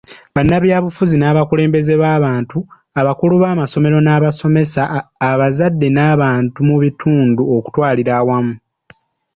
Bannabyabufuzi n'abakulembeze b'abantu, abakulu b'amasomero n'abasomesa, abazadde n'abantu mu bitundu okutwalira awamu.